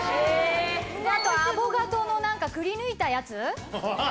あとアボカドの何かくりぬいたやつ？